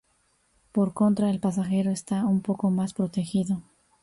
Por contra, el pasajero está un poco más protegido.